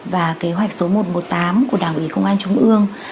và kế hoạch số một trăm một mươi tám của đảng ủy công an trung ương